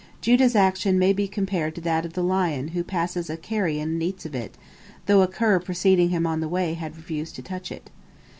Judah's action may be compared to that of the lion who passes a carrion and eats of it, though a cur preceding him on the way had refused to touch it.